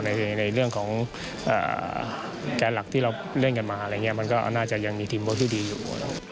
ในเรื่องของแก๊สหลักที่เราเล่นกันมามันก็น่าจะยังมีทีมพอเที่ยวดีอยู่